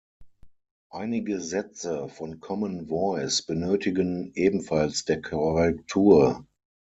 Einige Sätze von Common Voice benötigen ebenfalls der Korrektur.